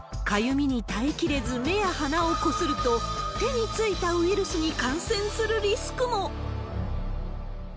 かゆみに耐えきれず目や鼻をこすると、手についたウイルスに感染するリスクも。